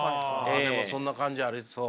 でもそんな感じありそう。